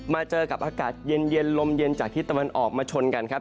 เจอกับอากาศเย็นลมเย็นจากที่ตะวันออกมาชนกันครับ